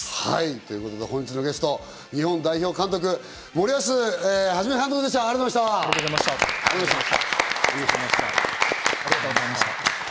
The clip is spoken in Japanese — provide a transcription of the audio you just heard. ということで本日のゲスト、日本代表監督・森保監督でした、ありがとうございありがとうございました。